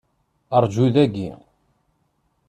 Rǧu dagi.